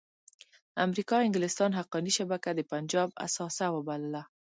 امریکا او انګلستان حقاني شبکه د پنجاب اثاثه وبلله.